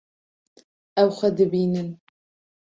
Ew xwe dibînin.